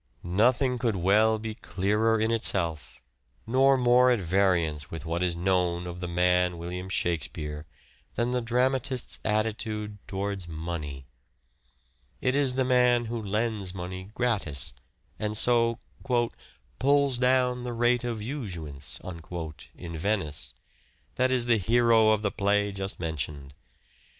Nothing could well be clearer in itself, nor more at Money variance with what is known of the man William matters 126 " SHAKESPEARE " IDENTIFIED Shakspere than the dramatist's attitude towards money. It is the man who lends money gratis, and so " pulls down the rate of usuance" in Venice, that is the hero of the play just mentioned.